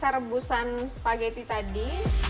ini adalah kambusan spaghetti tadi